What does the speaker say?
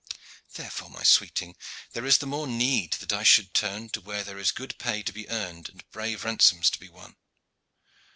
Therefore, my sweeting, there is the more need that I should turn to where there is good pay to be earned and brave ransoms to be won."